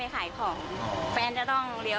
มันเป็นแบบที่สุดท้าย